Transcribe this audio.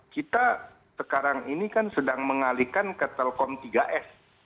kita sekarang ini kan sedang mengalihkan ke telkom tiga s